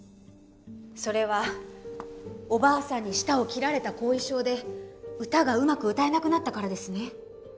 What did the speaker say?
それはおばあさんに舌を切られた後遺症で歌がうまく歌えなくなったからですね？